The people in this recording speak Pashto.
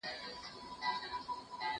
زه کولای سم لیکل وکړم!